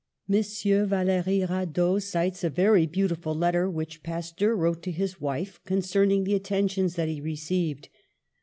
M. Vallery Radot cites a very beautiful letter, which Pasteur wrote to his wife concern ing the attentions that he received.